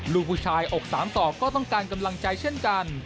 ลูกผู้ชายอกสามต่อก็ต้องการกำลังใจเช่นกัน